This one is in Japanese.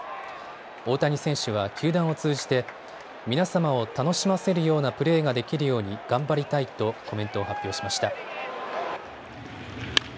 大谷選手は球団を通じて皆様を楽しませるようなプレーができるように頑張りたいとコメントを発表しました。